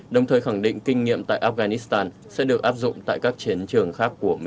đồng thời khẳng định kinh nghiệm tại afghanistan sẽ được áp dụng tại các chiến trường khác của mỹ